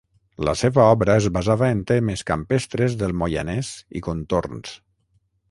La seva obra es basava en temes campestres del Moianès i contorns.